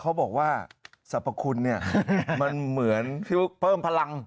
เขาบอกว่าสรรพคุณมันเหมือนพูดถ่ายขึ้นปุ้ยเพิ่มพลัง